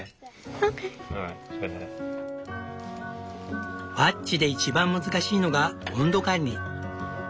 ファッジで一番難しいのが温度管理。